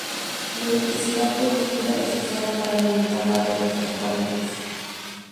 La electricidad producida es usada para alimentar la red de ferrocarriles.